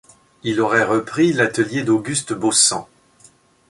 Il aurait repris l’atelier d’Auguste Baussan.